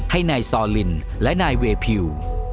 ให้นายซอลินและนายเวพิว